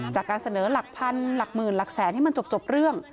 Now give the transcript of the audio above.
จากการเสนอหลักพันหลักหมื่นหลักแสนให้มันจบเรื่อง